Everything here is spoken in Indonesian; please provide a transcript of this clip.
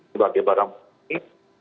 sebagai barang bukti